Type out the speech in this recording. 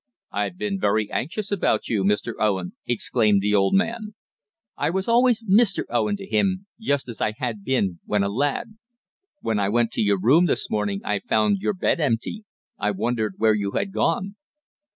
"I've been very anxious about you, Mr. Owen," exclaimed the old man. I was always Mr. Owen to him, just as I had been when a lad. "When I went to your room this morning I found your bed empty. I wondered where you had gone."